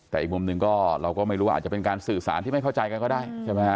แต่อีกมุมหนึ่งก็เราก็ไม่รู้ว่าอาจจะเป็นการสื่อสารที่ไม่เข้าใจกันก็ได้ใช่ไหมฮะ